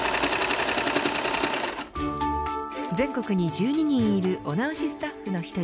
全国に１２人いるお直しスタッフの１人